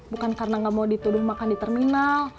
bukan karena nggak mau dituduh makan di terminal